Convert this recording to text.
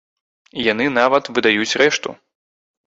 І яны нават выдаюць рэшту!